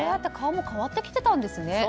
顔も変わってきてたんですね。